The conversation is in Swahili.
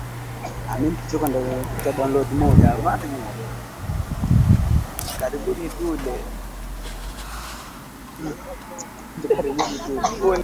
Lugha iliyotumika ilihusisha masuala ya mazingira yanavyohusiana na changamoto nyingine za maendeleo kama afya